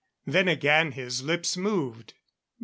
Then again his lips moved.